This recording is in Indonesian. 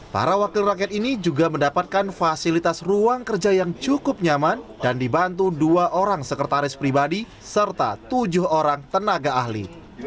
para wakil rakyat ini juga mendapatkan fasilitas ruang kerja yang cukup nyaman dan dibantu dua orang sekretaris pribadi serta tujuh orang tenaga ahli